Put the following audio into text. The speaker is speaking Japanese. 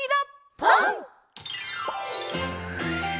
「ぽん」！